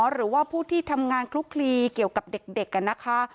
หรือว่าผู้ที่ทำงานคลุกคลีเกี่ยวกับเด็กนะคะ